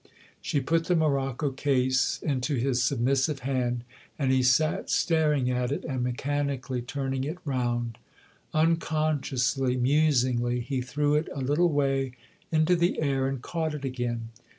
She put the morocco case into his submissive hand, and he sat staring at it and mechanically turn ing it round. Unconsciously, musingly he threw it a little way into the air and caught it again.